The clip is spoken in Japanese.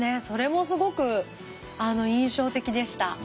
それもすごく印象的でした。